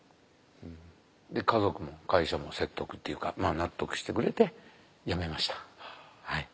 で家族も会社も説得っていうか納得してくれてやめました。